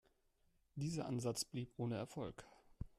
Dieser Ansatz blieb ohne Erfolg.